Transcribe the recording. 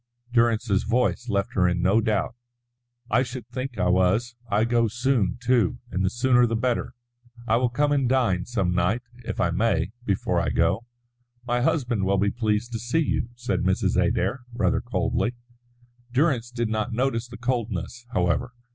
Durrance's voice left her in no doubt. "I should think I was. I go soon, too, and the sooner the better. I will come and dine some night, if I may, before I go." "My husband will be pleased to see you," said Mrs. Adair, rather coldly. Durrance did not notice the coldness, however.